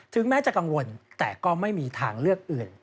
แม้จะกังวลแต่ก็ไม่มีทางเลือกอื่น